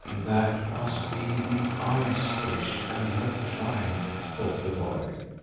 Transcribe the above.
"That must be the Ice Witch and her tribe," thought the boy.